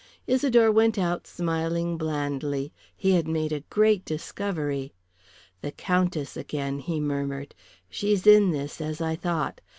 Isidore went out smiling blandly. He had made a great discovery. "The Countess again," he murmured. "She's in this, as I thought.